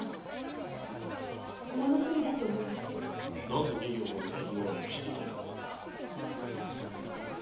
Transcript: なぜ二両もの大金があるのを知っていたんだ！？